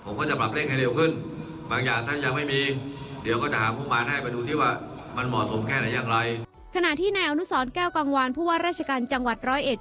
ในที่นายองศแก้วกวางวานเพราะว่ารัฐการณ์จังหวัด๑๐๐เอ็ด